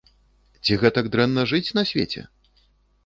Ці гэтак дрэнна жыць на свеце?